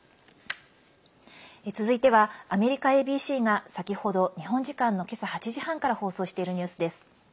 続いてはアメリカＡＢＣが先ほど日本時間の今朝８時半から放送しているニュースです。